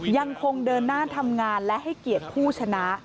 ยังคงเดินหน้าทำงานและให้เกียรติผู้ชนะ